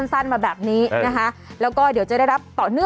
ใช้เมียได้ตลอด